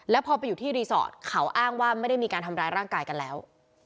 แล้วพอไปอยู่ที่รีสอร์ทเขาอ้างว่าไม่ได้มีการทำร้ายร่างกายกันแล้ว